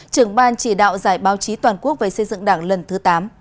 trưởng ban chỉ đạo giải báo chí toàn quốc về xây dựng đảng lần thứ tám